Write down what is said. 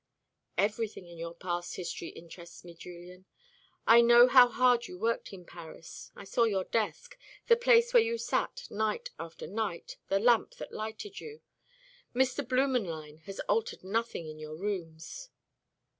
"Everything in your past history interests me, Julian. I know how hard you worked in Paris. I saw your desk, the place where you sat night after night, the lamp that lighted you. Mr. Blümenlein has altered nothing in your rooms."